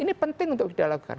ini penting untuk kita lakukan